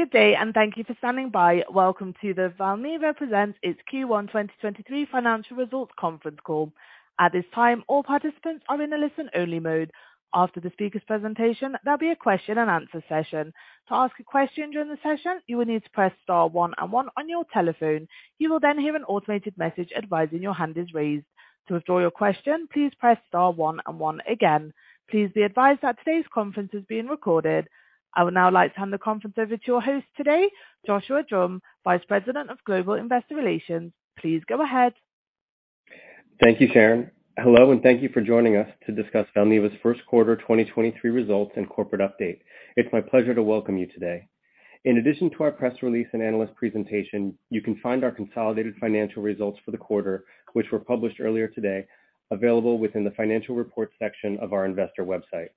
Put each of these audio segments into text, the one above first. Good day and thank you for standing by. Welcome to the Valneva Presents its Q1 2023 financial results conference call. At this time, all participants are in a listen only mode. After the speaker's presentation, there'll be a Q&A session. To ask a question during the session, you will need to press star one and one on your telephone. You will then hear an automated message advising your hand is raised. To withdraw your question, please press star one and one again. Please be advised that today's conference is being recorded. I would now like to hand the conference over to your host today, Joshua Drumm, Vice President of Global Investor Relations. Please go ahead. Thank you, Sharon. Hello, thank you for joining us to discuss Valneva's first quarter 2023 results and corporate update. It's my pleasure to welcome you today. In addition to our press release and analyst presentation, you can find our consolidated financial results for the quarter, which were published earlier today, available within the financial reports section of our investor website.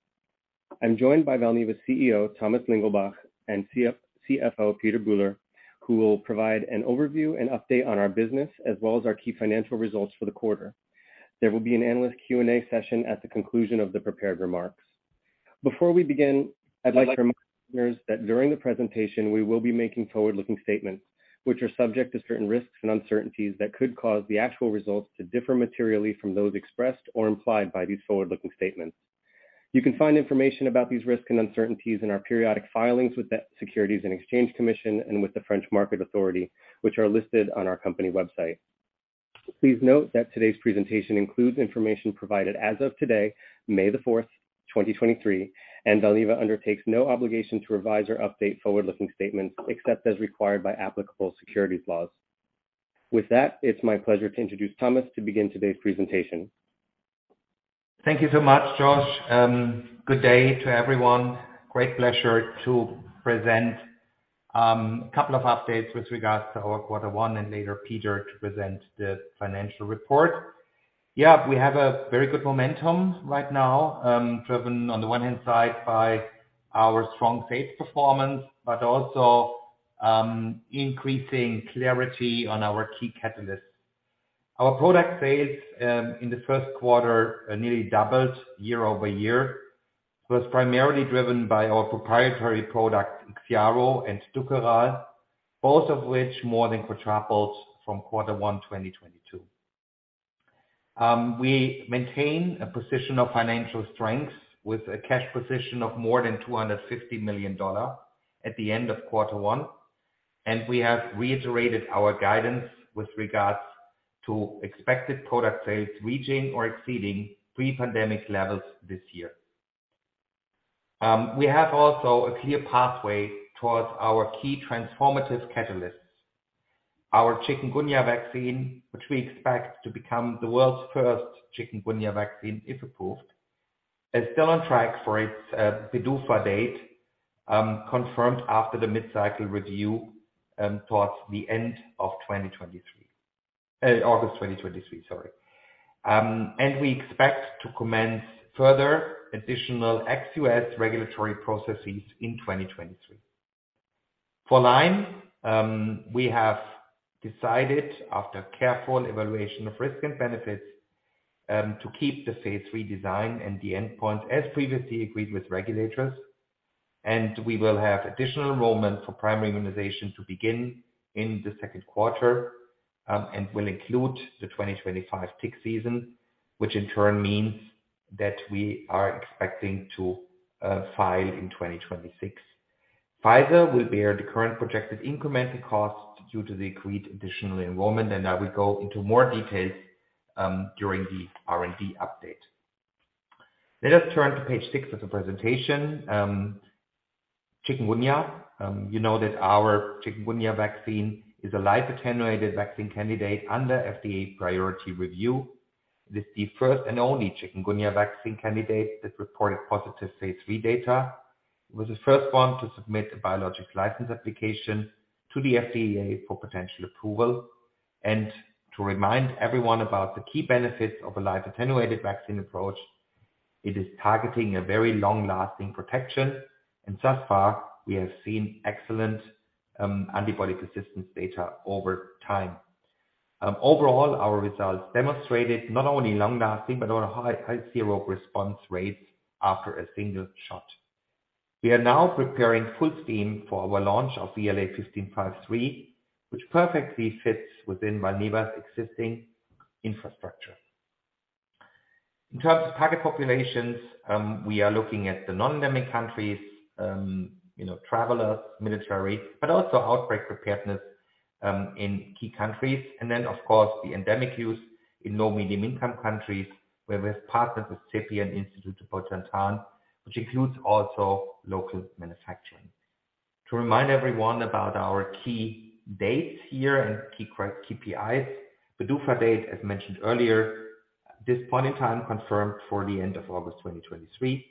I'm joined by Valneva's CEO, Thomas Lingelbach, and CFO, Peter Bühler, who will provide an overview and update on our business as well as our key financial results for the quarter. There will be an analyst Q&A session at the conclusion of the prepared remarks. Before we begin, I'd like to remind listeners that during the presentation we will be making forward-looking statements which are subject to certain risks and uncertainties that could cause the actual results to differ materially from those expressed or implied by these forward-looking statements. You can find information about these risks and uncertainties in our periodic filings with the Securities and Exchange Commission and with the French Market Authority, which are listed on our company website. Please note that today's presentation includes information provided as of today, May 4th 2023. Valneva undertakes no obligation to revise or update forward-looking statements except as required by applicable securities laws. With that, it's my pleasure to introduce Thomas to begin today's presentation. Thank you so much, Josh. Good day to everyone. Great pleasure to present a couple of updates with regards to our quarter one and later Peter to present the financial report. We have a very good momentum right now, driven on the one hand side by our strong sales performance, but also increasing clarity on our key catalysts. Our product sales in the first quarter nearly doubled year-over-year. It was primarily driven by our proprietary product, IXIARO and DUKORAL, both of which more than quadrupled from quarter one 2022. We maintain a position of financial strength with a cash position of more than $250 million at the end of quarter one. We have reiterated our guidance with regards to expected product sales reaching or exceeding pre-pandemic levels this year. We have also a clear pathway towards our key transformative catalysts. Our chikungunya vaccine, which we expect to become the world's first chikungunya vaccine if approved, is still on track for its PDUFA date, confirmed after the mid-cycle review, towards the end of 2023. August 2023, sorry. We expect to commence further additional ex U.S. regulatory processes in 2023. For Lyme, we have decided after careful evaluation of risk and benefits, to keep the phase III design and the endpoint as previously agreed with regulators. We will have additional enrollment for primary immunization to begin in the second quarter, and will include the 2025 tick season, which in turn means that we are expecting to file in 2026. Pfizer will bear the current projected incremental cost due to the agreed additional enrollment. I will go into more details during the R&D update. Let us turn to page six of the presentation. Chikungunya, you know that our chikungunya vaccine is a live attenuated vaccine candidate under FDA priority review. It is the first and only chikungunya vaccine candidate that reported positive phase III data. It was the first one to submit a Biologic License Application to the FDA for potential approval. To remind everyone about the key benefits of a live attenuated vaccine approach, it is targeting a very long-lasting protection. Thus far, we have seen excellent antibody persistence data over time. Overall, our results demonstrated not only long-lasting but on a high zero response rates after a single shot. We are now preparing full steam for our launch of VLA1553, which perfectly fits within Valneva's existing infrastructure. In terms of target populations, we are looking at the non-endemic countries, you know, travelers, military, but also outbreak preparedness in key countries. Of course, the endemic use in low, middle income countries where we have partnered with Instituto Butantan, which includes also local manufacturing. To remind everyone about our key dates here and key KPIs. PDUFA date, as mentioned earlier, this point in time confirmed for the end of August 2023.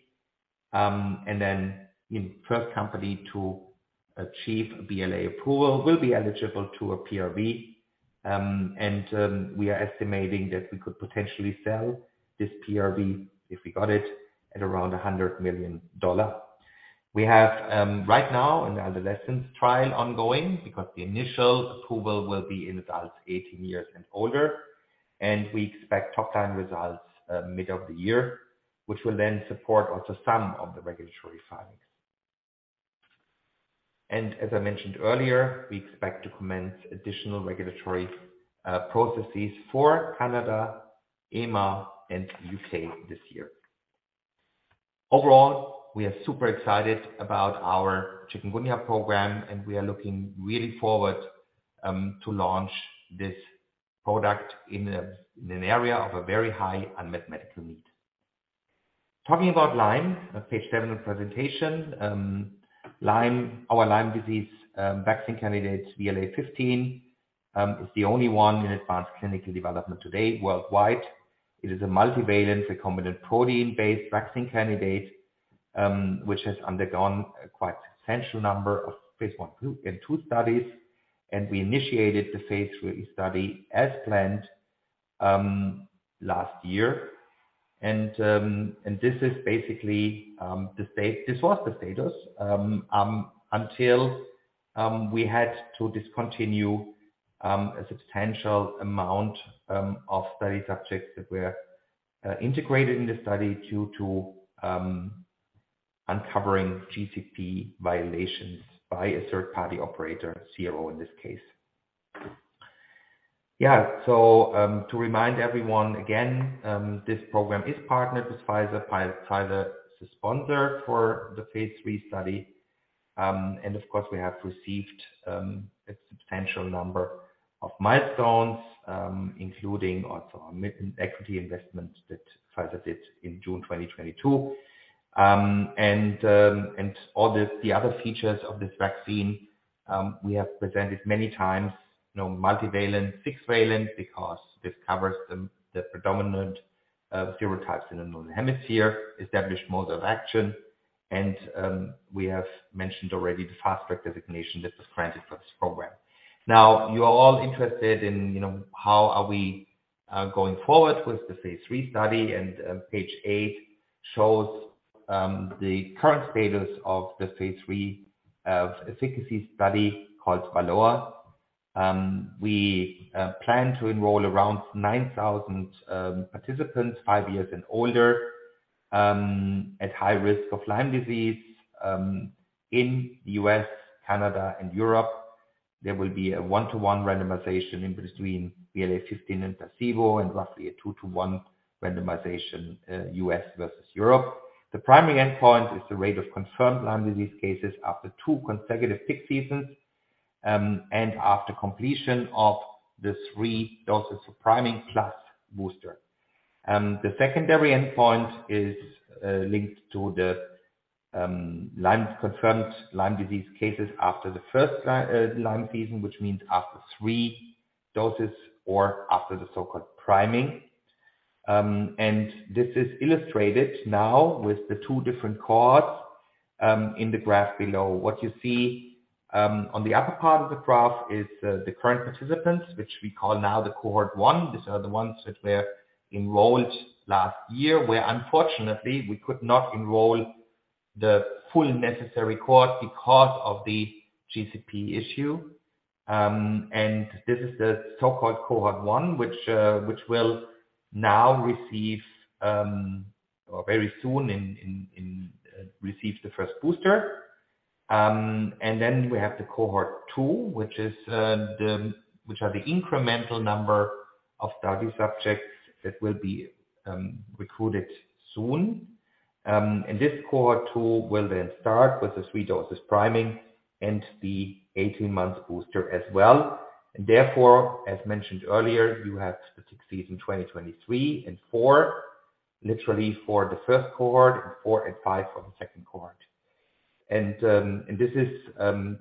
In first company to achieve BLA approval will be eligible to a PRV. We are estimating that we could potentially sell this PRV if we got it at around $100 million. We have right now an adolescent trial ongoing because the initial approval will be in adults 18 years and older. We expect top-line results mid-year, which will then support also some of the regulatory filings. As I mentioned earlier, we expect to commence additional regulatory processes for Canada, EMA, and U.K. this year. We are super excited about our chikungunya program, and we are looking really forward to launch this product in an area of a very high unmet medical need. On page seven of presentation, Lyme, our Lyme disease vaccine candidate VLA15, is the only one in advanced clinical development today worldwide. It is a multivalent recombinant protein-based vaccine candidate, which has undergone a quite substantial number of phase I, II, and two studies. We initiated the phase III study as planned last year. This is basically the status until we had to discontinue a substantial amount of study subjects that were integrated in the study due to uncovering GCP violations by a third-party operator, CRO in this case. To remind everyone again, this program is partnered with Pfizer. Pfizer is the sponsor for the phase III study. Of course, we have received a substantial number of milestones, including also our equity investment that Pfizer did in June 2022. All the other features of this vaccine, we have presented many times, you know, multivalent, six-valent, because this covers the predominant serotypes in the Northern Hemisphere, established mode of action. We have mentioned already the fast track designation that was granted for this program. Now you are all interested in, you know, how are we going forward with the phase III study and page eight shows the current status of the phase III efficacy study called VALOR. We plan to enroll around 9,000 participants, five years and older, at high risk of Lyme disease in the U.S., Canada and Europe. There will be a one-to-one randomization in between VLA15 and placebo, and roughly a two-to-one randomization U.S. versus Europe. The primary endpoint is the rate of confirmed Lyme disease cases after two consecutive tick seasons and after completion of the three doses of priming plus booster. The secondary endpoint is linked to the Lyme confirmed Lyme disease cases after the first Lyme season, which means after three doses or after the so-called priming. This is illustrated now with the two different cohorts in the graph below. What you see on the upper part of the graph is the current participants, which we call now the cohort 1. These are the ones that were enrolled last year, where unfortunately we could not enroll the full necessary cohort because of the GCP issue. This is the so-called cohort 1 which will now receive or very soon receive the first booster. We have the cohort 2, which are the incremental number of study subjects that will be recruited soon. This cohort 2 will then start with this redozes priming and the 18 months booster as well. Therefore, as mentioned earlier, you have the tick season 2023 and 2024 literally for the first cohort, and 2024 and 2025 for the second cohort.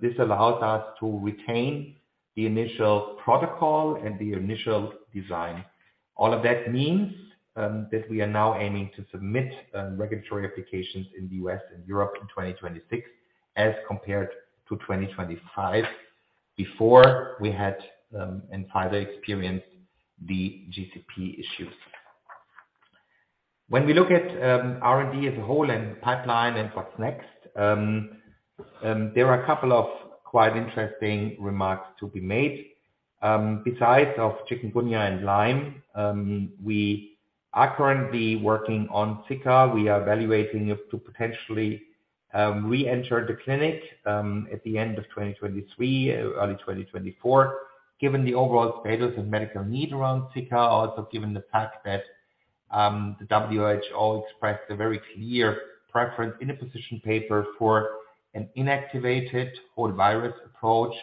This allows us to retain the initial protocol and the initial design. All of that means that we are now aiming to submit regulatory applications in the U.S. and Europe in 2026 as compared to 2025 before we had and Pfizer experienced the GCP issues. When we look at R&D as a whole and pipeline and what's next, there are a couple of quite interesting remarks to be made. Besides of chikungunya and Lyme, we are currently working on Zika. We are evaluating it to potentially re-enter the clinic at the end of 2023, early 2024, given the overall status of medical need around Zika. Given the fact that the WHO expressed a very clear preference in a position paper for an inactivated whole virus approach,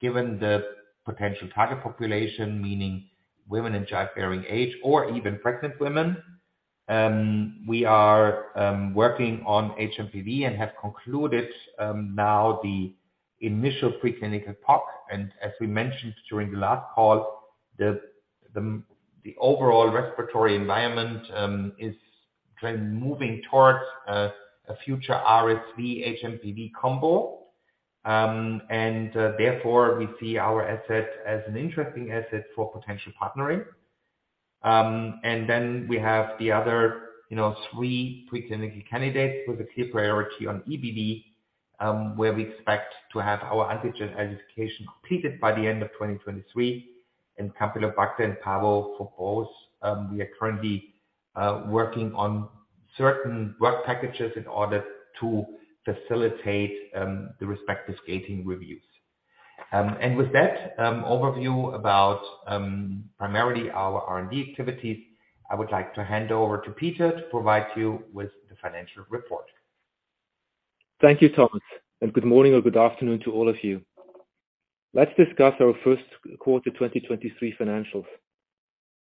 given the potential target population, meaning women in childbearing age or even pregnant women. We are working on hMPV and have concluded now the initial preclinical PoC. As we mentioned during the last call, the overall respiratory environment is kind of moving towards a future RSV hMPV combo. Therefore, we see our asset as an interesting asset for potential partnering. We have the other, you know, three preclinical candidates with a clear priority on EBV, where we expect to have our antigen education completed by the end of 2023 in Campylobacter and Pavlov for both. We are currently working on certain work packages in order to facilitate the respective skating reviews. With that overview about primarily our R&D activities, I would like to hand over to Peter to provide you with the financial report. Thank you, Thomas, and good morning or good afternoon to all of you. Let's discuss our first quarter 2023 financials.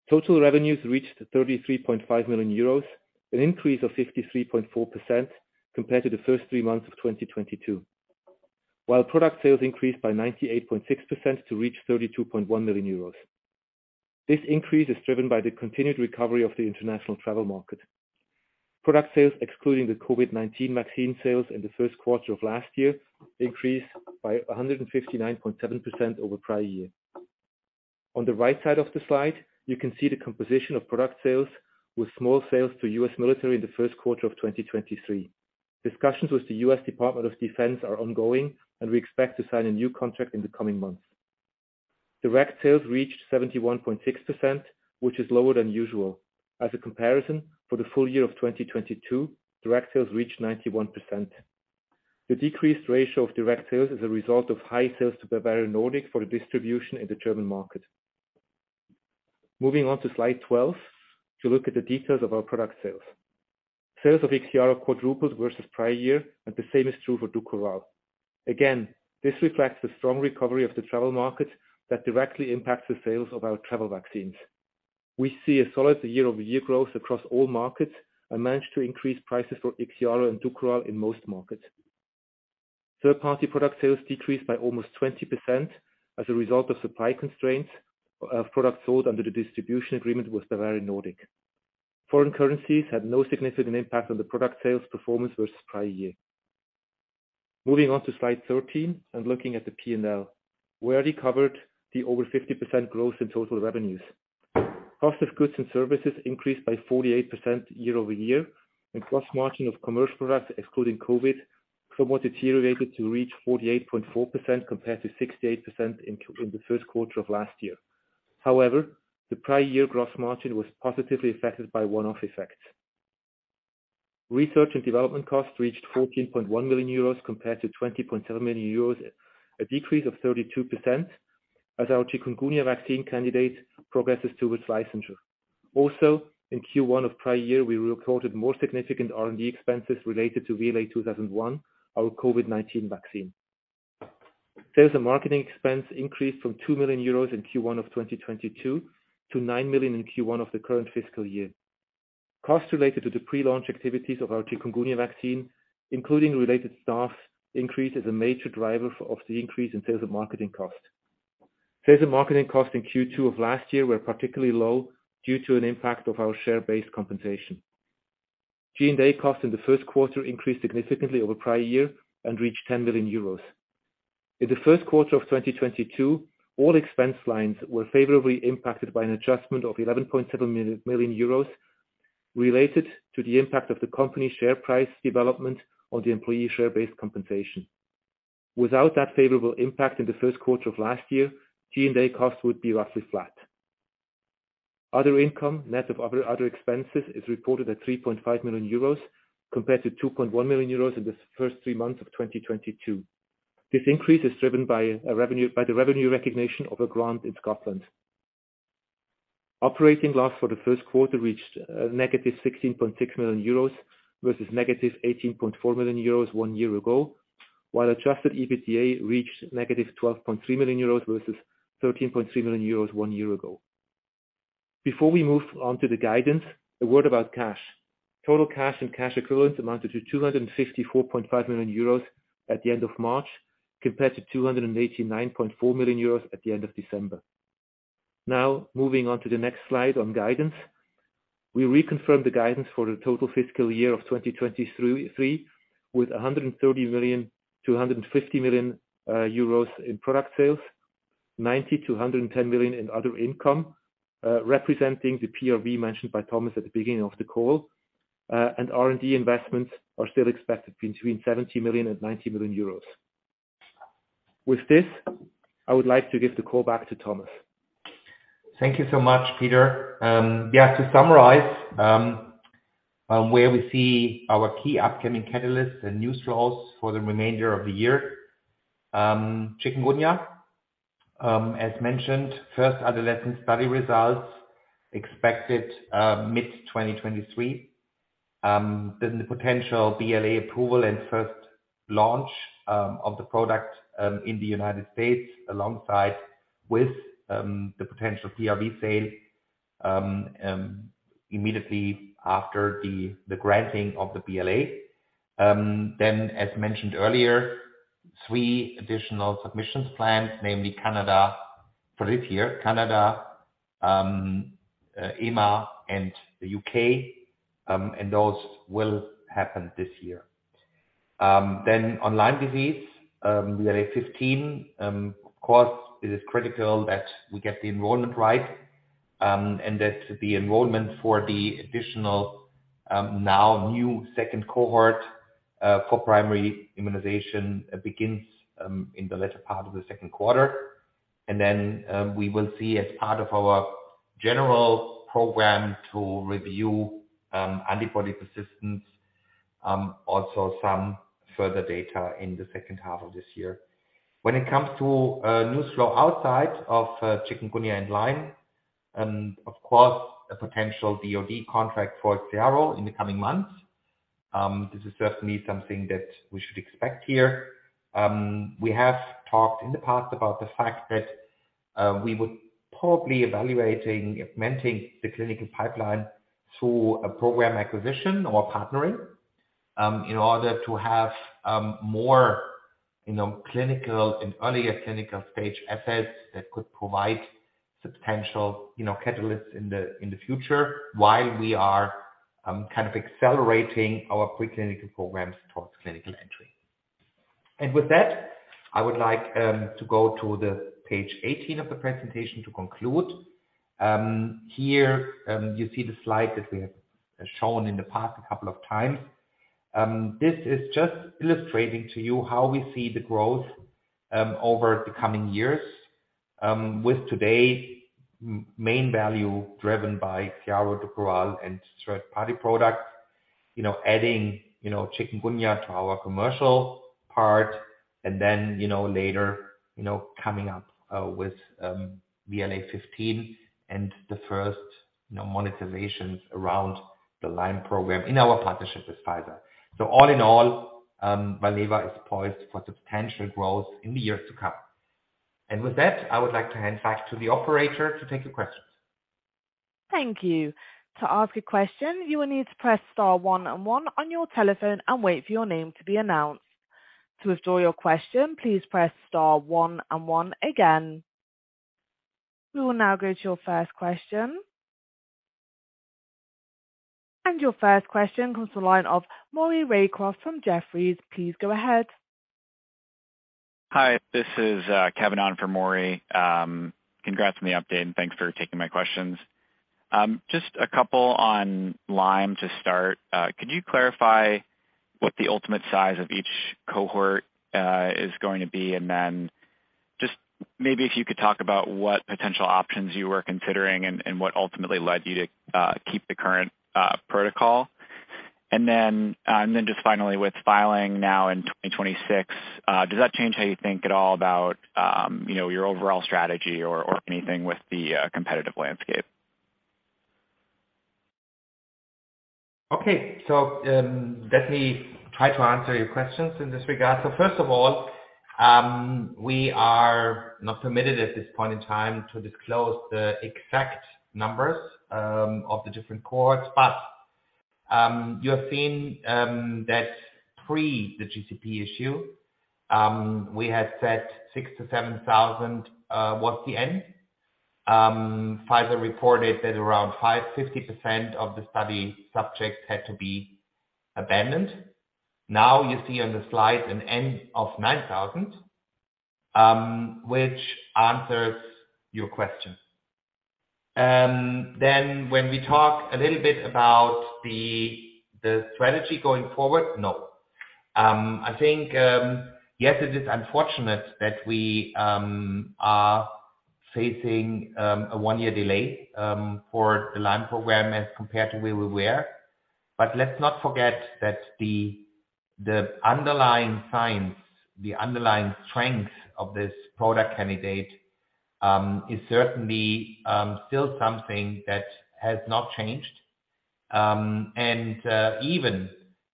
Total revenues reached 33.5 million euros, an increase of 53.4% compared to the first three months of 2022. While product sales increased by 98.6% to reach 32.1 million euros. This increase is driven by the continued recovery of the international travel market. Product sales, excluding the COVID-19 vaccine sales in the first quarter of last year, increased by 159.7% over prior year. On the right side of the slide, you can see the composition of product sales with small sales to U.S. military in the first quarter of 2023. Discussions with the U.S. Department of Defense are ongoing, we expect to sign a new contract in the coming months. Direct sales reached 71.6%, which is lower than usual. As a comparison, for the full year of 2022, direct sales reached 91%. The decreased ratio of direct sales is a result of high sales to Bavarian Nordic for distribution in the German market. Moving on to slide 12 to look at the details of our product sales. Sales of IXIARO quadrupled versus prior year, and the same is true for Dukoral. Again, this reflects the strong recovery of the travel market that directly impacts the sales of our travel vaccines. We see a solid year-over-year growth across all markets and managed to increase prices for IXIARO and Dukoral in most markets. Third-party product sales decreased by almost 20% as a result of supply constraints of products sold under the distribution agreement with Bavarian Nordic. Foreign currencies had no significant impact on the product sales performance versus prior year. Moving on to slide 13 and looking at the P&L. We already covered the over 50% growth in total revenues. Cost of goods and services increased by 48% year-over-year. Gross margin of commercial products excluding COVID somewhat deteriorated to reach 48.4% compared to 68% in the first quarter of last year. However, the prior year gross margin was positively affected by one-off effects. Research and development costs reached 14.1 million euros compared to 20.7 million euros, a decrease of 32% as our Chikungunya vaccine candidate progresses towards licensure. Also, in Q1 of prior year, we reported more significant R&D expenses related to VLA2001, our COVID-19 vaccine. Sales and marketing expense increased from 2 million euros in Q1 of 2022 to 9 million in Q1 of the current fiscal year. Costs related to the pre-launch activities of our Chikungunya vaccine, including related staff increase, is a major driver of the increase in sales and marketing costs. Sales and marketing costs in Q2 of last year were particularly low due to an impact of our share-based compensation. G&A costs in the first quarter increased significantly over prior year and reached 10 million euros. In the first quarter of 2022, all expense lines were favorably impacted by an adjustment of 11.7 million euros related to the impact of the company's share price development on the employee share-based compensation. Without that favorable impact in the first quarter of last year, G&A costs would be roughly flat. Other income, net of other expenses, is reported at 3.5 million euros, compared to 2.1 million euros in the first three months of 2022. This increase is driven by the revenue recognition of a grant in Scotland. Operating loss for the first quarter reached negative 16.6 million euros versus negative 18.4 million euros one year ago, while adjusted EBITDA reached negative 12.3 million euros versus 13.3 million euros one year ago. Before we move on to the guidance, a word about cash. Total cash and cash equivalents amounted to 254.5 million euros at the end of March, compared to 289.4 million euros at the end of December. Now, moving on to the next slide on guidance. We reconfirm the guidance for the total fiscal year of 2023, with 130 million-150 million euros in product sales, 90 million-110 million in other income, representing the PRV mentioned by Thomas at the beginning of the call. R&D investments are still expected between 70 million and 90 million euros. With this, I would like to give the call back to Thomas. Thank you so much, Peter Bühler. Yeah, to summarize, where we see our key upcoming catalysts and news flows for the remainder of the year. Chikungunya, as mentioned, first adolescent study results expected, mid-2023. The potential BLA approval and first launch of the product in the United States alongside with the potential PRV sale immediately after the granting of the BLA. As mentioned earlier, three additional submissions planned, namely Canada for this year, Canada, EMA and the UK, and those will happen this year. On Lyme disease, VLA15, of course, it is critical that we get the enrollment right. That the enrollment for the additional, now new second cohort, for primary immunization begins in the latter part of the second quarter. We will see as part of our general program to review antibody persistence, also some further data in the second half of this year. When it comes to news flow outside of chikungunya and Lyme and of course, a potential DoD contract for IXIARO in the coming months, this is certainly something that we should expect here. We have talked in the past about the fact that we would probably evaluating implementing the clinical pipeline through a program acquisition or partnering in order to have more, you know, clinical and earlier clinical stage assets that could provide substantial, you know, catalysts in the future while we are kind of accelerating our preclinical programs towards clinical entry. With that, I would like to go to the page 18 of the presentation to conclude. Here, you see the slide that we have shown in the past a couple of times. This is just illustrating to you how we see the growth over the coming years, with today's main value driven by IXIARO, Dukoral and third-party products, you know, adding, you know, Chikungunya to our commercial part and then, you know, later, you know, coming up with VLA15 and the first, you know, monetizations around the Lyme program in our partnership with Pfizer. All in all, Valneva is poised for substantial growth in the years to come. With that, I would like to hand back to the operator to take the questions. Thank you. To ask a question, you will need to press star one and one on your telephone and wait for your name to be announced. To withdraw your question, please press star one and one again. We will now go to your first question. Your first question comes to the line of Maury Raycroft from Jefferies. Please go ahead. Hi, this is Kevin on for Maury. Congrats on the update, and thanks for taking my questions. Just a couple on Lyme to start. Could you clarify what the ultimate size of each cohort is going to be? Just maybe if you could talk about what potential options you were considering and what ultimately led you to keep the current protocol. Then just finally, with filing now in 2026, does that change how you think at all about, you know, your overall strategy or anything with the competitive landscape? Okay. Let me try to answer your questions in this regard. First of all, we are not permitted at this point in time to disclose the exact numbers of the different cohorts. You have seen that pre the GCP issue, we had said 6,000-7,000 was the end. Pfizer reported that around 50% of the study subjects had to be abandoned. Now you see on the slide an end of 9,000, which answers your question. When we talk a little bit about the strategy going forward. I think, yes, it is unfortunate that we are facing a one-year delay for the Lyme program as compared to where we were. Let's not forget that the underlying science, the underlying strength of this product candidate, is certainly still something that has not changed. Even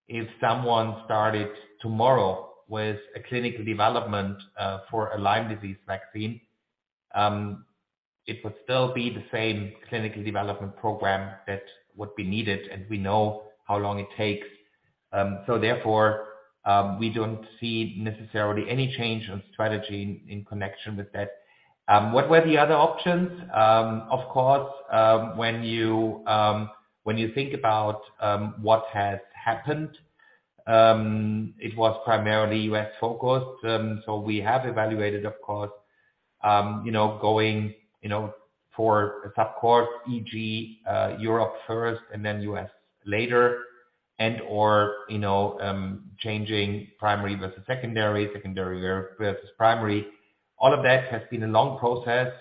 if someone started tomorrow with a clinical development for a Lyme disease vaccine, it would still be the same clinical development program that would be needed, and we know how long it takes. Therefore, we don't see necessarily any change on strategy in connection with that. What were the other options? Of course, when you think about what has happened, it was primarily U.S.-focused. We have evaluated, of course, you know, going, you know, for a subcourse, e.g., Europe first and then U.S. later and/or, you know, changing primary versus secondary versus primary. All of that has been a long process,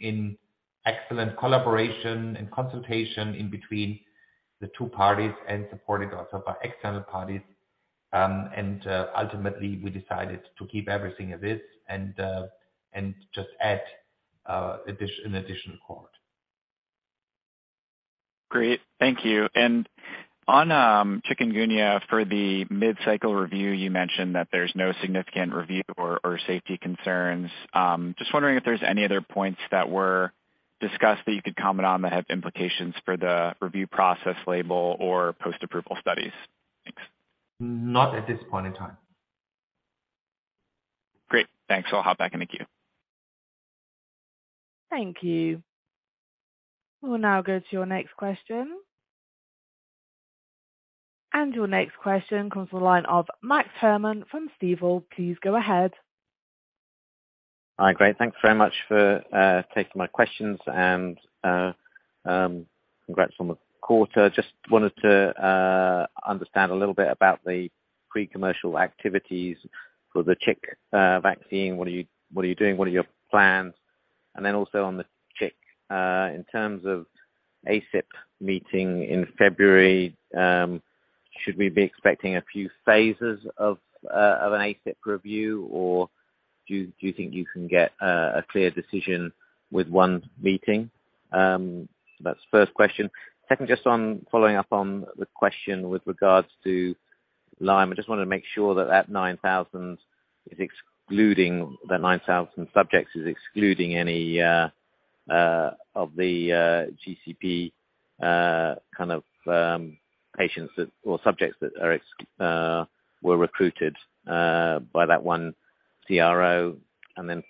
in excellent collaboration and consultation in between the two parties and supported also by external parties. Ultimately we decided to keep everything as is and just add an additional cohort. Great. Thank you. On chikungunya, for the mid-cycle review, you mentioned that there's no significant review or safety concerns. Just wondering if there's any other points that were discussed that you could comment on that have implications for the review process label or post-approval studies. Thanks. Not at this point in time. Great. Thanks. I'll hop back in the queue. Thank you. We'll now go to your next question. Your next question comes to the line of Max Cameau from Stifel. Please go ahead. Hi. Great. Thanks very much for taking my questions and congrats on the quarter. Just wanted to understand a little bit about the pre-commercial activities for the tick vaccine. What are you doing? What are your plans? Also on the tick in terms of ACIP meeting in February, should we be expecting a few phases of an ACIP review or do you think you can get a clear decision with one meeting? That's the first question. Second, just on following up on the question with regards to Lyme. I just wanted to make sure that 9,000 is excluding the 9,000 subjects is excluding any of the GCP kind of patients that or subjects that were recruited by that one IXIARO.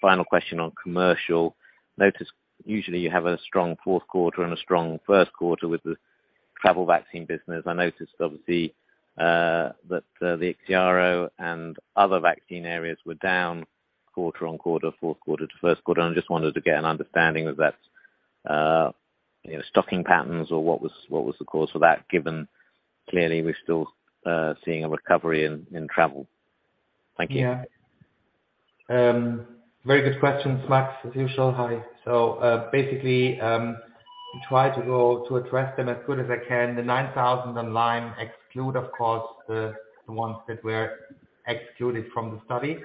Final question on commercial. Notice usually you have a strong fourth quarter and a strong first quarter with the travel vaccine business. I noticed obviously, that the IXIARO and other vaccine areas were down quarter-on-quarter, fourth quarter to first quarter. I just wanted to get an understanding of that, you know, stocking patterns or what was the cause of that, given clearly we're still, seeing a recovery in travel. Thank you. Yeah. Very good questions, Max, as usual. Hi. Basically, try to go to address them as good as I can. The 9,000 on Lyme exclude, of course, the ones that were executed from the study.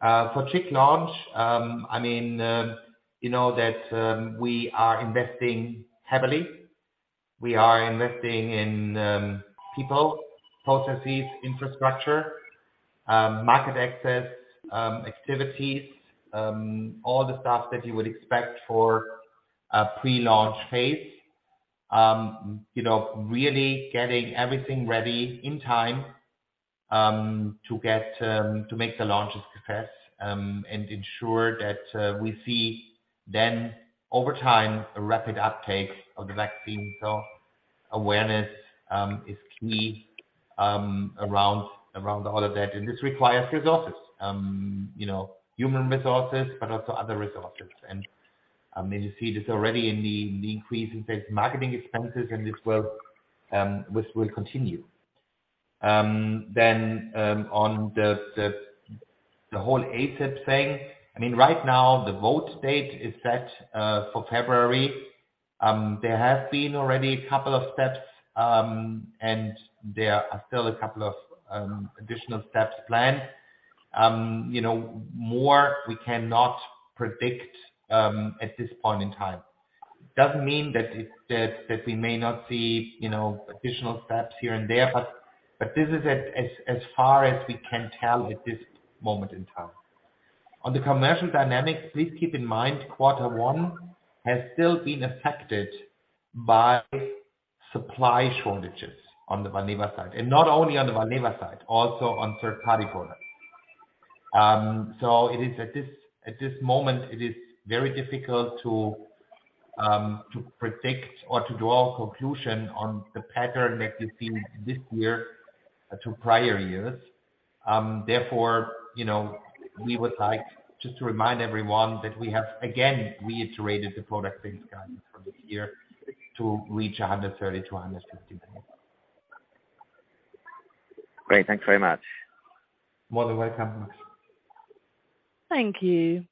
For tick launch, I mean, you know that, we are investing heavily. We are investing in people, processes, infrastructure, market access, activities, all the stuff that you would expect for a pre-launch phase. You know, really getting everything ready in time to get to make the launches success and ensure that we see then over time a rapid uptake of the vaccine. Awareness is key around all of that. This requires resources, you know, human resources, but also other resources. I mean, you see this already in the increase in sales, marketing expenses, which will continue. On the whole ACIP thing. I mean, right now the vote date is set for February. There have been already a couple of steps, and there are still a couple of additional steps planned. You know, more we cannot predict at this point in time. Doesn't mean that we may not see, you know, additional steps here and there, but this is as far as we can tell at this moment in time. On the commercial dynamics, please keep in mind, quarter one has still been affected by supply shortages on the Valneva side, and not only on the Valneva side, also on third-party products. It is at this moment it is very difficult to predict or to draw a conclusion on the pattern that you've seen this year to prior years. Therefore, you know, we would like just to remind everyone that we have again reiterated the product sales guidance for this year to reach 130 million-150 million. Great. Thanks very much. More than welcome, Max. Thank you.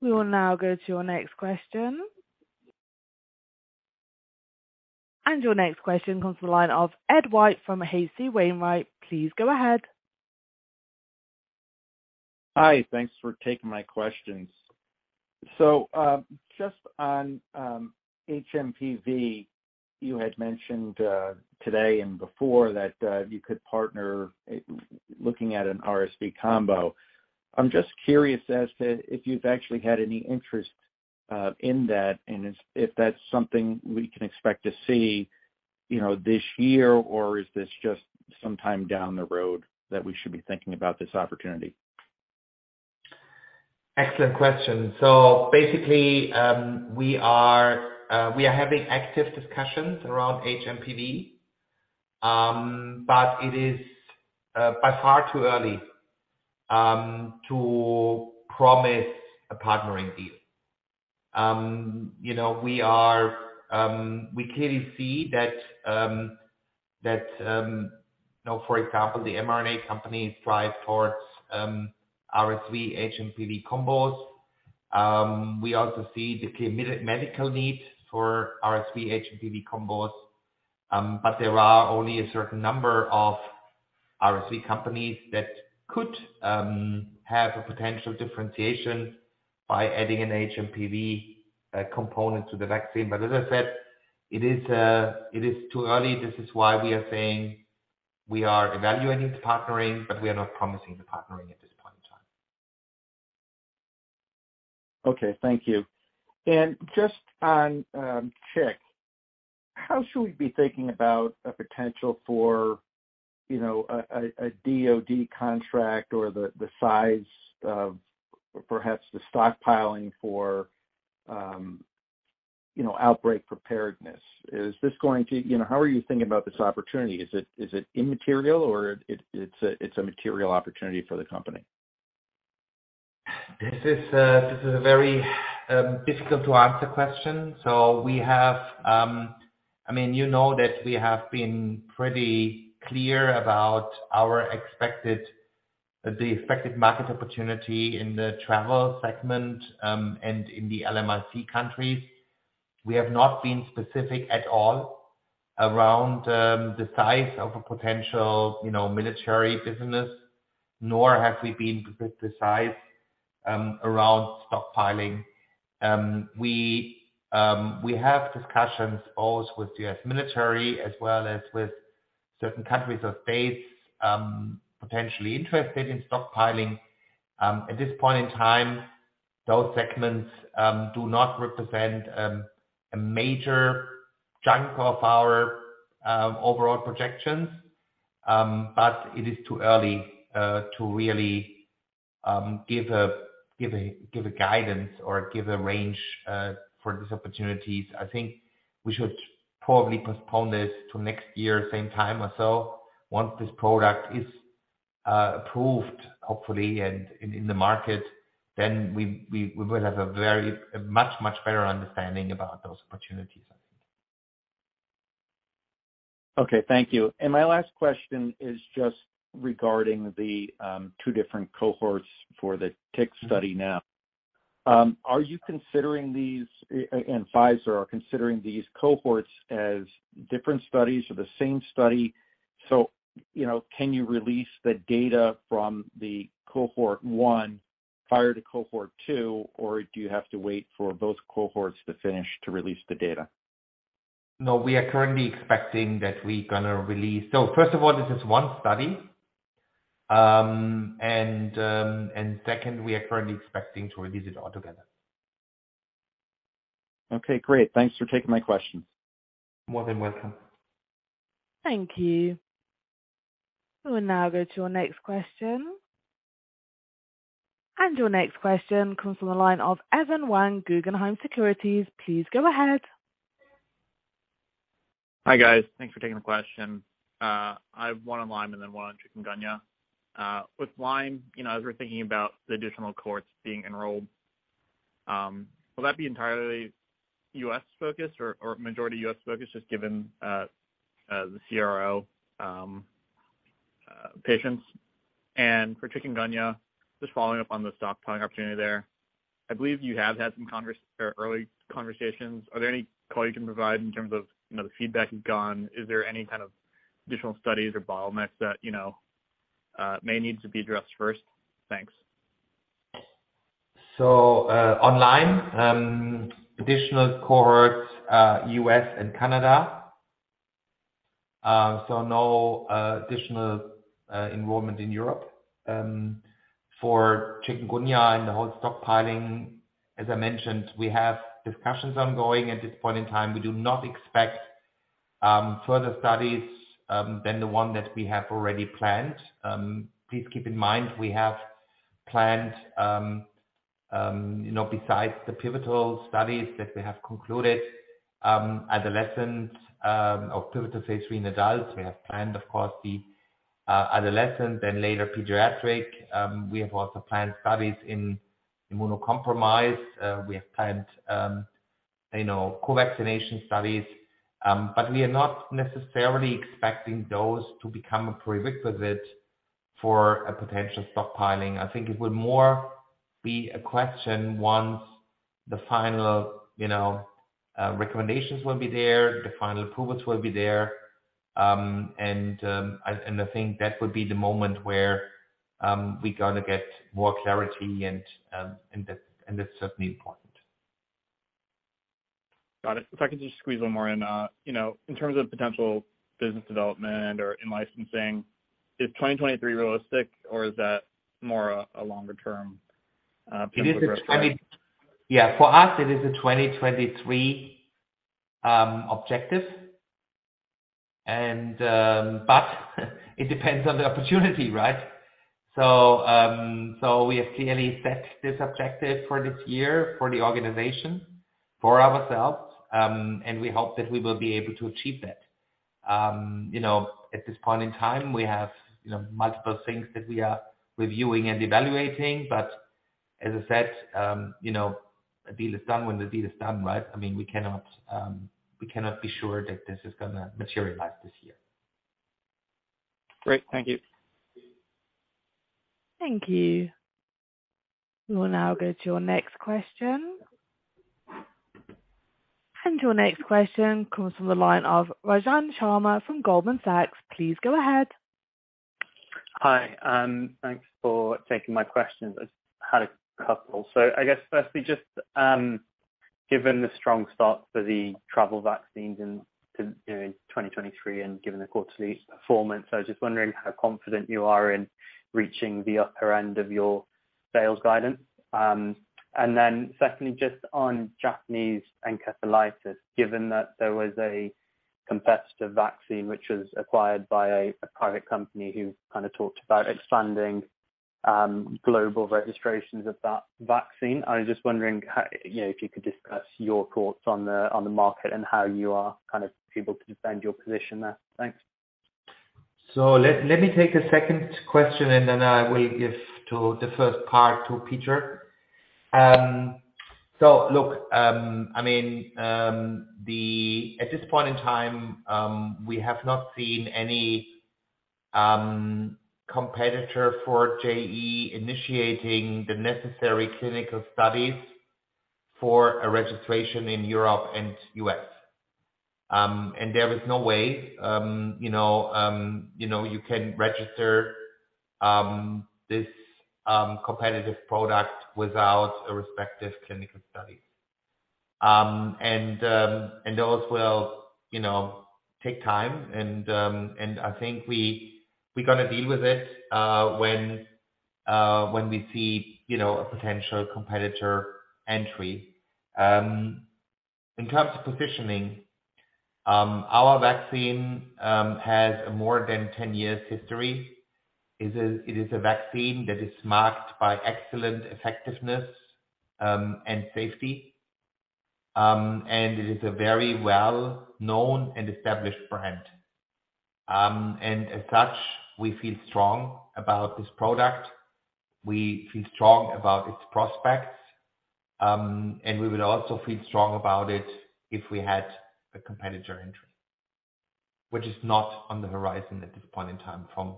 We will now go to your next question. Your next question comes to the line of Ed White from H.C. Wainwright. Please go ahead. Hi. Thanks for taking my questions. Just on hMPV, you had mentioned today and before that, you could partner looking at an RSV combo. I'm just curious as to if you've actually had any interest in that if that's something we can expect to see, you know, this year, or is this just sometime down the road that we should be thinking about this opportunity? Excellent question. Basically, we are having active discussions around hMPV, but it is by far too early to promise a partnering deal. You know, we are, we clearly see that, you know, for example, the mRNA companies strive towards RSV hMPV combos. We also see the clear medical need for RSV hMPV combos. There are only a certain number of RSV companies that could have a potential differentiation by adding an hMPV component to the vaccine. As I said, it is too early. This is why we are saying we are evaluating the partnering, but we are not promising the partnering at this point in time. Okay. Thank you. Just on, tick, how should we be thinking about a potential for you know, a DoD contract or the size of perhaps the stockpiling for, you know, outbreak preparedness? How are you thinking about this opportunity? Is it immaterial or it's a material opportunity for the company? This is a very difficult to answer question. We have, I mean, you know that we have been pretty clear about the expected market opportunity in the travel segment and in the LMIC countries. We have not been specific at all around the size of a potential, you know, military business, nor have we been specific to size around stockpiling. We have discussions both with U.S. military as well as with certain countries or states potentially interested in stockpiling. At this point in time, those segments do not represent a major chunk of our overall projections. It is too early to really give a guidance or give a range for these opportunities. I think we should probably postpone this to next year, same time or so. Once this product is approved, hopefully, and in the market, then we will have a much, much better understanding about those opportunities I think. Okay. Thank you. My last question is just regarding the two different cohorts for the tick study now. Are you considering these, and Pfizer are considering these cohorts as different studies or the same study? You know, can you release the data from the cohort 1 prior to cohort 2, or do you have to wait for both cohorts to finish to release the data? No, first of all, this is one study. Second, we are currently expecting to release it all together. Okay, great. Thanks for taking my questions. More than welcome. Thank you. We'll now go to our next question. Your next question comes from the line of Evan Wang, Guggenheim Securities. Please go ahead. Hi, guys. Thanks for taking the question. I have one on Lyme and then one on chikungunya. With Lyme, you know, as we're thinking about the additional cohorts being enrolled, will that be entirely U.S. focused or majority U.S. focused, just given the CRO patients? For chikungunya, just following up on the stockpiling opportunity there. I believe you have had or early conversations. Are there any color you can provide in terms of, you know, the feedback you've gotten? Is there any kind of additional studies or bottlenecks that, you know, may need to be addressed first? Thanks. On Lyme, additional cohorts, U.S. and Canada. No additional enrollment in Europe. For chikungunya and the whole stockpiling, as I mentioned, we have discussions ongoing. At this point in time, we do not expect further studies than the one that we have already planned. Please keep in mind, we have planned, you know, besides the pivotal studies that we have concluded, adolescent, or pivotal phase III in adults. We have planned, of course, the adolescent, then later pediatric. We have also planned studies in immunocompromised. We have planned, you know, co-vaccination studies. We are not necessarily expecting those to become a prerequisite for a potential stockpiling. I think it would more be a question once the final, you know, recommendations will be there, the final approvals will be there. I think that would be the moment where we're gonna get more clarity and that's certainly important. Got it. If I could just squeeze one more in. you know, in terms of potential business development or in-licensing, is 2023 realistic or is that more a longer term? I mean, yeah, for us it is a 2023 objective and, but it depends on the opportunity, right? We have clearly set this objective for this year for the organization, for ourselves, and we hope that we will be able to achieve that. You know, at this point in time, we have, you know, multiple things that we are reviewing and evaluating. As I said, you know, a deal is done when the deal is done, right? I mean, we cannot be sure that this is gonna materialize this year. Great. Thank you. Thank you. We'll now go to your next question. Your next question comes from the line of Rajan Sharma from Goldman Sachs. Please go ahead. Hi, thanks for taking my questions. I just had a couple. I guess firstly, just, given the strong start for the travel vaccines in, you know, in 2023 and given the quarterly performance, I was just wondering how confident you are in reaching the upper end of your sales guidance. Secondly, just on Japanese encephalitis, given that there was a competitive vaccine which was acquired by a private company who kind of talked about expanding global registrations of that vaccine. I was just wondering how you know, if you could discuss your thoughts on the market and how you are kind of able to defend your position there. Thanks. Let me take the second question, and then I will give to the first part to Peter. Look, I mean, at this point in time, we have not seen any competitor for JE initiating the necessary clinical studies for a registration in Europe and U.S. There is no way, you know, you can register this competitive product without a respective clinical study. Those will, you know, take time and I think we're gonna deal with it, when we see, you know, a potential competitor entry. In terms of positioning, our vaccine has more than 10 years history. It is a vaccine that is marked by excellent effectiveness and safety. It is a very well-known and established brand. As such, we feel strong about this product. We feel strong about its prospects, and we would also feel strong about it if we had a competitor entry, which is not on the horizon at this point in time from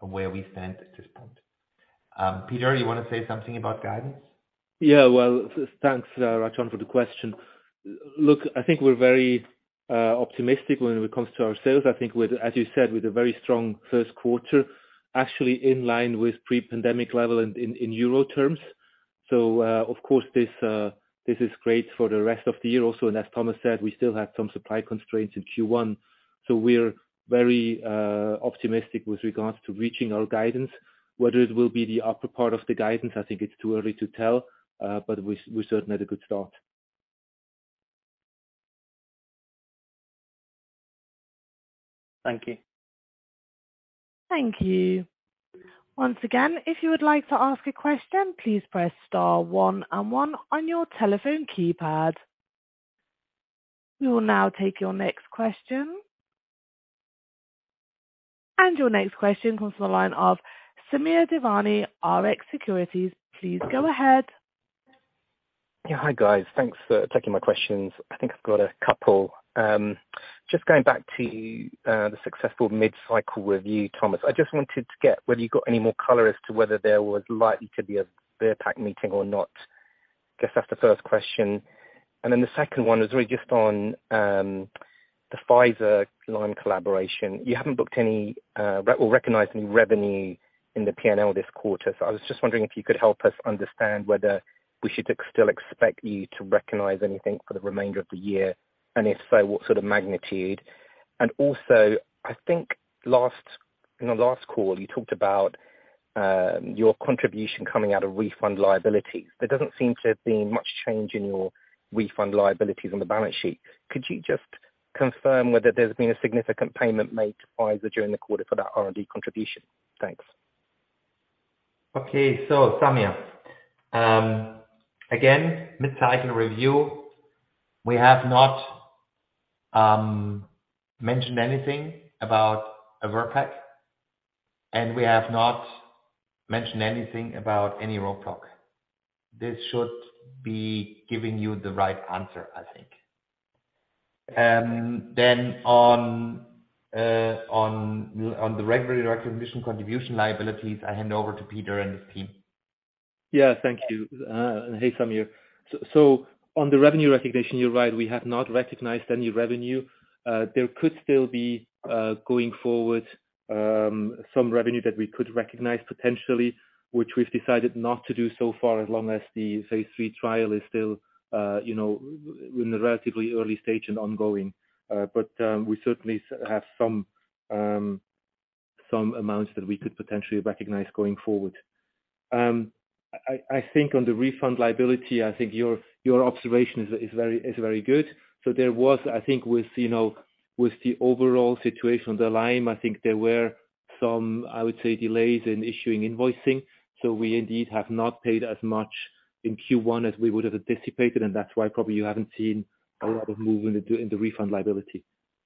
where we stand at this point. Peter, you wanna say something about guidance? Yeah. Well, thanks, Rajan, for the question. Look, I think we're very optimistic when it comes to our sales. I think with, as you said, with a very strong first quarter, actually in line with pre-pandemic level in euro terms. Of course this is great for the rest of the year also. As Thomas said, we still have some supply constraints in Q1. We're very optimistic with regards to reaching our guidance. Whether it will be the upper part of the guidance, I think it's too early to tell, but we certainly had a good start. Thank you. Thank you. Once again, if you would like to ask a question, please press star one one on your telephone keypad. We will now take your next question. Your next question comes from the line of Samir Devani, Rx Securities. Please go ahead. Yeah. Hi, guys. Thanks for taking my questions. I think I've got a couple. Just going back to the successful mid-cycle review, Thomas. I just wanted to get whether you got any more color as to whether there was likely to be a VRBPAC meeting or not. Just that's the first question. The second one is really just on the Pfizer Lyme collaboration. You haven't booked any recognized any revenue in the P&L this quarter. I was just wondering if you could help us understand whether we should still expect you to recognize anything for the remainder of the year, and if so, what sort of magnitude. I think last, in the last call you talked about your contribution coming out of refund liabilities. There doesn't seem to have been much change in your refund liabilities on the balance sheet. Could you just confirm whether there's been a significant payment made to Pfizer during the quarter for that R&D contribution? Thanks. Okay. Samir, again, mid-cycle review, we have not mentioned anything about a VRBPAC, and we have not mentioned anything about any roadblock. This should be giving you the right answer, I think. On the revenue recognition contribution liabilities, I hand over to Peter and his team. Yeah. Thank you. Hey, Samir. On the revenue recognition, you're right, we have not recognized any revenue. There could still be, going forward, some revenue that we could recognize potentially, which we've decided not to do so far as long as the phase III trial is still, you know, in a relatively early stage and ongoing. But, we certainly have some amounts that we could potentially recognize going forward. I think on the refund liability, I think your observation is very good. There was, I think with, you know, with the overall situation, the Lyme, I think there were some, I would say, delays in issuing invoicing. We indeed have not paid as much in Q1 as we would have anticipated, and that's why probably you haven't seen a lot of movement in the refund liability.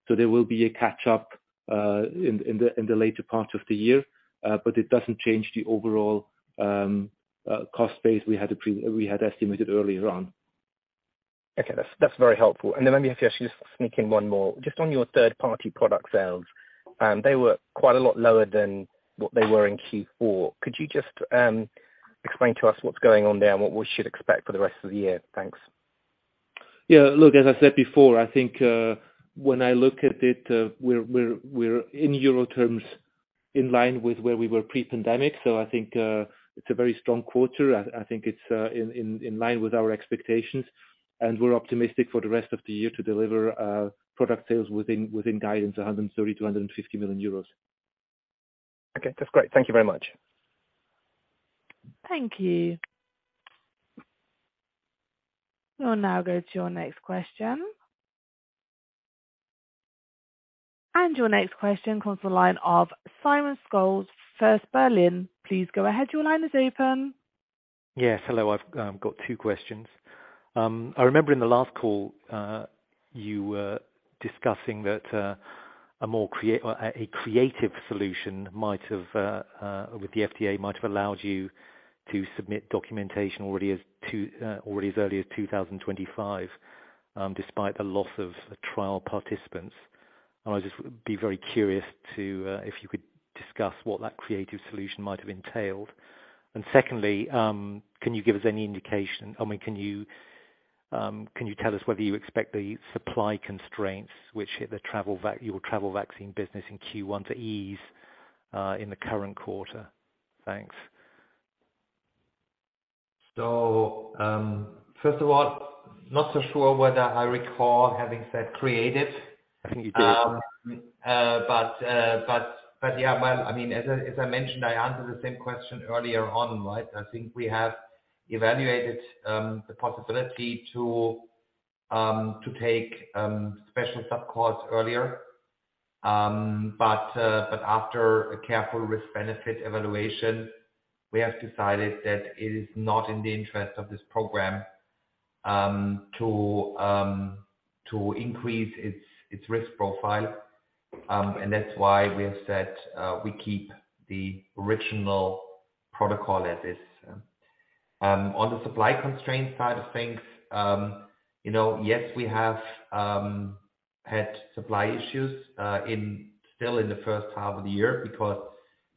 There will be a catch up in the later part of the year. It doesn't change the overall cost base we had estimated earlier on. Okay. That's very helpful. Let me just actually sneak in one more. Just on your third party product sales, they were quite a lot lower than what they were in Q4. Could you just explain to us what's going on there and what we should expect for the rest of the year? Thanks. Yeah. Look, as I said before, I think, when I look at it, we're in euro terms, in line with where we were pre-pandemic. I think it's a very strong quarter. I think it's in line with our expectations, and we're optimistic for the rest of the year to deliver product sales within guidance, 130 million-150 million euros. Okay. That's great. Thank you very much. Thank you. We'll now go to your next question. Your next question comes to the line of Simon Scholes, First Berlin. Please go ahead. Your line is open. Yes. Hello. I've got two questions. I remember in the last call, you were discussing that a creative solution might have with the FDA, might have allowed you to submit documentation already as early as 2025, despite the loss of trial participants. I would just be very curious to if you could discuss what that creative solution might have entailed. Secondly, can you give us any indication, I mean, can you tell us whether you expect the supply constraints which hit your travel vaccine business in Q1 to ease in the current quarter? Thanks. First of all, not so sure whether I recall having said creative. I think you did. Yeah. Well, I mean, as I mentioned, I answered the same question earlier on, right? I think we have evaluated the possibility to take special sub-cause earlier. After a careful risk-benefit evaluation, we have decided that it is not in the interest of this program to increase its risk profile. That's why we have said, we keep the original protocol as is. On the supply constraint side of things, you know, yes, we have had supply issues in, still in the first half of the year because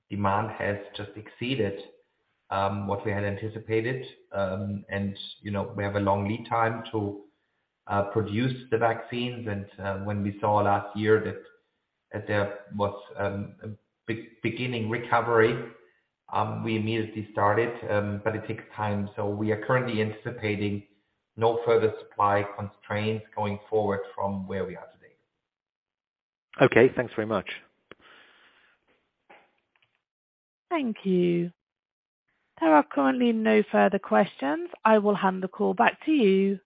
demand has just exceeded what we had anticipated. You know, we have a long lead time to produce the vaccines. When we saw last year that there was a beginning recovery, we immediately started, but it takes time. We are currently anticipating no further supply constraints going forward from where we are today. Okay, thanks very much. Thank you. There are currently no further questions. I will hand the call back to you.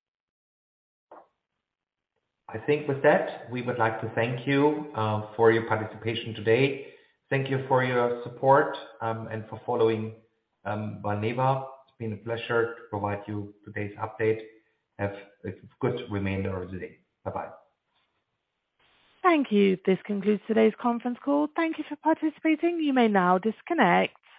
I think with that, we would like to thank you, for your participation today. Thank you for your support, and for following, Valneva. It's been a pleasure to provide you today's update. Have a good remainder of the day. Bye-bye. Thank you. This concludes today's conference call. Thank you for participating. You may now disconnect.